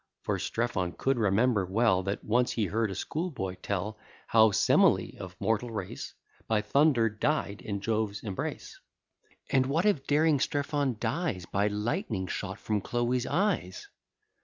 (For Strephon could remember well, That once he heard a school boy tell, How Semele, of mortal race, By thunder died in Jove's embrace.) And what if daring Strephon dies By lightning shot from Chloe's eyes!